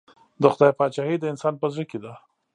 د خدای پاچهي د انسان په زړه کې ده.